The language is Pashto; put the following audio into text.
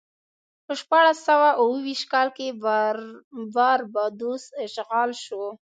په شپاړس سوه اوه ویشت کال کې باربادوس اشغال شو.